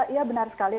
ya benar sekali